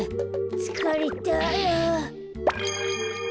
つかれたあ。